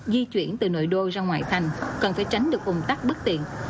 di chuyển từ nội đô ra ngoại thành cần phải tránh được ủng tắc bất tiện